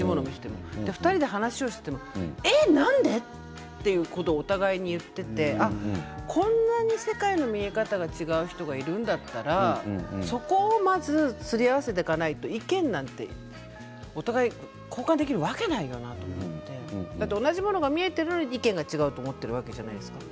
２人で話をしていても何でということがお互いに言っていてこんなに世界の見方が違う人がいるんだからそこをまずすり合わせていかないと意見が交換できるわけじゃないよなと思って同じものが見えているのに意見が違っているわけじゃないですか。